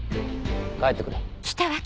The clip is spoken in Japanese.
帰ってくれ。